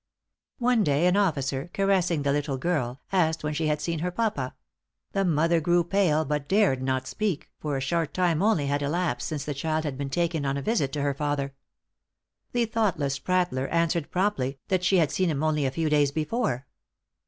One day an officer, caressing the little girl, asked when she had seen her papa; the mother grew pale, but dared not speak, for a short time only had elapsed since the child had been taken on a visit to her father. The thoughtless prattler answered promptly, that she had seen him only a few days before.